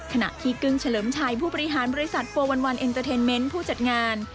ขณะที่กึ้งเฉลิมชัยผู้บริหารบริษัทโฟวันเอ็นเตอร์เทนเมนต์ผู้จัดงาน